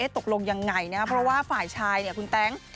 ตกลงอย่างไรนะเพราะว่าฝ่ายชายคุณแต๊ง